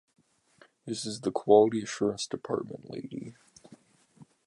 This is the quality assurance department, lady.